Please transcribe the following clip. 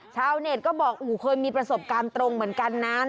ชาวเน็ตก็บอกเคยมีประสบการณ์ตรงเหมือนกันนะ